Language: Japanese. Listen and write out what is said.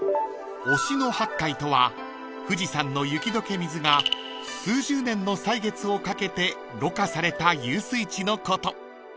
［忍野八海とは富士山の雪解け水が数十年の歳月をかけてろ過された湧水地のこと］